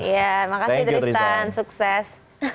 ya makasih tristan sukses